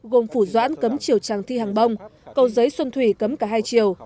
gồm phủ doãn cấm chiều tràng thi hàng bông cầu giấy xuân thủy cấm cả hai chiều